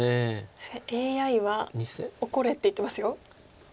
確かにＡＩは怒れって言ってますよ。